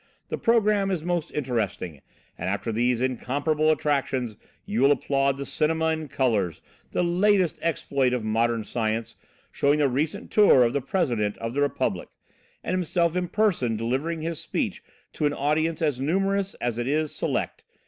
The programme is most interesting, and after these incomparable attractions, you will applaud the cinema in colours the last exploit of modern science showing the recent tour of the President of the Republic, and himself in person delivering his speech to an audience as numerous as it is select.